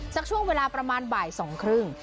สักช่วงเวลาประมาณบ่ายสองครึ่ง